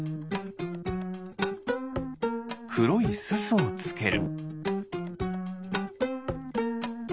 くろいすすをつける。